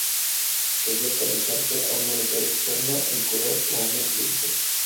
Podía conectarse a un monitor externo en color o a un televisor.